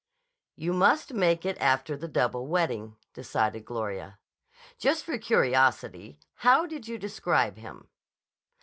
"You must make it after the double wedding," decided Gloria. "Just for curiosity, how did you describe him?"